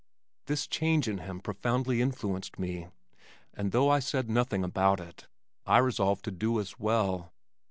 This change in him profoundly influenced me and though I said nothing about it, I resolved to do as well.